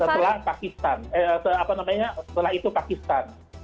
setelah itu pakistan